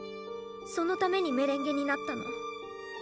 そのためにメレンゲになったの。